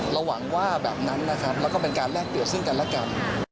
ระหว่างว่าแบบนั้นนะครับแล้วก็เป็นการแลกเอี่ยดขึ้นกันแล้วกัน